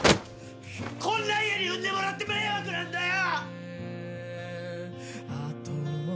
こんな家に生んでもらって迷惑なんだよ！！